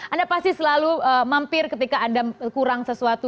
anda pasti selalu mampir ketika anda kurang sesuatu